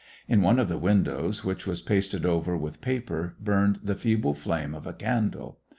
In one of the windows, which was pasted over with paper, burned the feeble flame of a candle.